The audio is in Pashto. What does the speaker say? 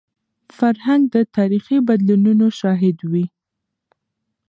فرهنګ د تاریخي بدلونونو شاهد وي.